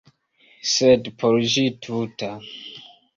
Sed por ĝi tuta.